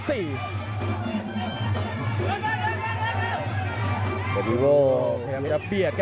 แพทท์พิโบโอแทนกับเบียต